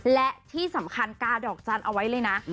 และที่สำคัญกาดอกจันทร์เอาไว้เลยนะ